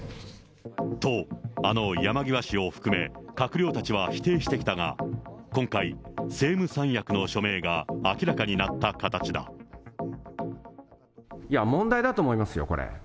と、あの山際氏を含め、閣僚たちは否定してきたが、今回、政務三役の署名が明らかになったいや、問題だと思いますよ、これ。